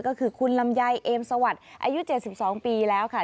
ก็คือคุณลำไยเอมสวัสดิ์อายุ๗๒ปีแล้วค่ะ